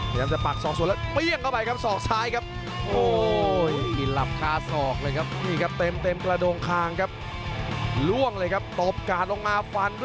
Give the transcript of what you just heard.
พยายามจะปากศอกส่วนแล้วเปรี้ยงเข้าไปครับ